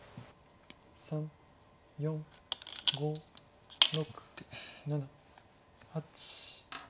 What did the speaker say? ３４５６７８。